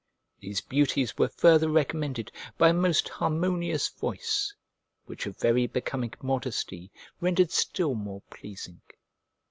These beauties were further recommended by a most harmonious voice; which a very becoming modesty rendered still more pleasing.